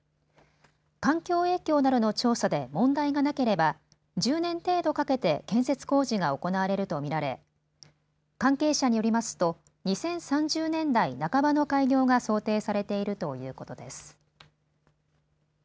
環境影響などの調査で問題がなければ１０年程度かけて建設工事が行われると見られ関係者によりますと２０３０年代半ばの開業が想定されているということです。